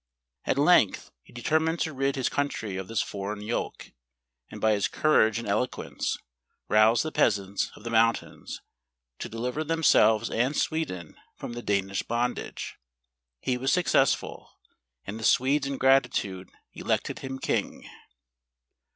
At length he determined to rid his country of this foreign yoke, and by his courage and eloquence roused the peasants of the moun¬ tains to deliver themselves and Sweden from the Danish bondage. He was successful, and the Swedes in gratitude elected him king.